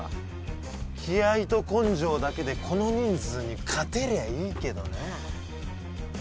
気合と根性だけでこの人数に勝てりゃあいいけどな。